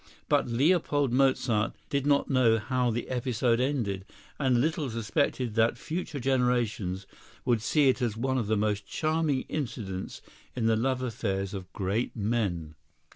But Leopold Mozart did not know how the episode ended, and little suspected that future generations would see in it one of the most charming incidents in the love affairs of great men.